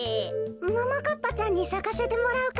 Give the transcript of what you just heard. ももかっぱちゃんにさかせてもらうから。